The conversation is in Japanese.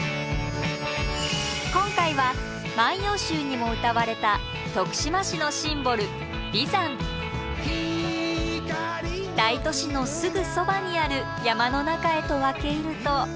今回は「万葉集」にもうたわれた徳島市のシンボル大都市のすぐそばにある山の中へと分け入ると。